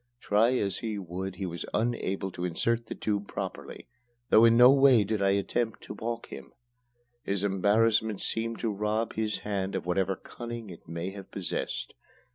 Try as he would, he was unable to insert the tube properly, though in no way did I attempt to balk him. His embarrassment seemed to rob his hand of whatever cunning it may have possessed.